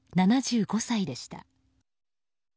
７５歳でした。